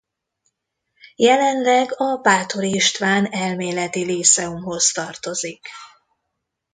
Jelenleg a Báthory István Elméleti Líceumhoz tartozik.